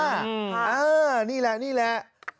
นี่แหละนี่แหละ